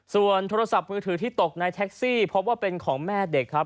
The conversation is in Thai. ส่วนโทรศัพท์มือถือที่ตกในแท็กซี่พบว่าเป็นของแม่เด็กครับ